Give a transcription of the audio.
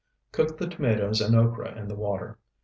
Cook the tomatoes and okra in the water.